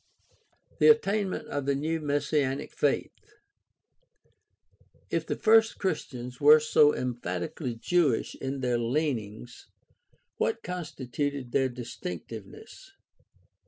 The attainment of the new messianic faith. — If the first Christians were so emphatically Jewish in their leanings, what constituted their distinctiveness